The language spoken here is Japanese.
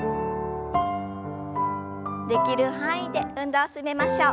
できる範囲で運動を進めましょう。